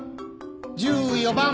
１４番。